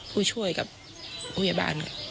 ผู้ช่วยกับพยาบาล